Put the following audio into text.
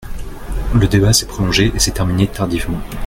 Le débat s’est prolongé et s’est terminé tardivement.